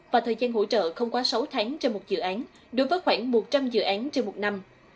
và thời gian hỗ trợ không quá sáu tháng trên một dự án đối với khoảng một trăm linh dự án trên một năm